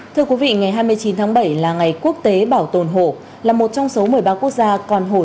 thưa quý vị ngày hai mươi chín tháng bảy là ngày quốc tế bảo tồn hồ là một trong số một mươi ba quốc gia còn hồ